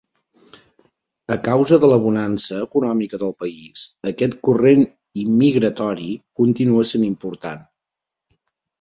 A causa de la bonança econòmica del país, aquest corrent immigratori continua sent important.